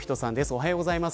おはようございます。